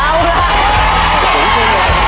เอาล่ะ